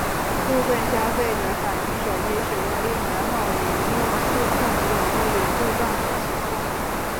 部份消费者反应手机使用一年后萤幕触控容易有故障的情况。